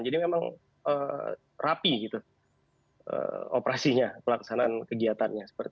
jadi memang rapi operasinya pelaksanaan kegiatannya